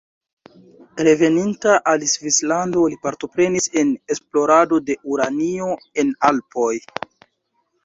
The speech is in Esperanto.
Reveninta al Svislando li partoprenis en esplorado de uranio en Alpoj.